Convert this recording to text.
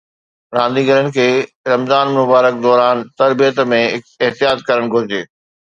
رانديگرن کي رمضان المبارڪ دوران تربيت ۾ احتياط ڪرڻ گهرجي